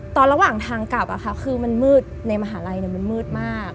ตอนระหว่างทางกลับอะค่ะคือมันมืดในมหาลัยเนี่ยมันมืดมาก